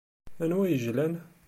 Anwa i yejlan?